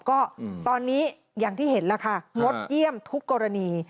ก็ตอนนี้อย่างที่เห็นแล้วค่ะงดเยี่ยมทุกกรณี